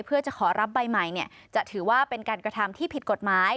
เพื่อจะขอรับใบใหม่จะถือว่าเป็นการกระทำที่ผิดกฎหมาย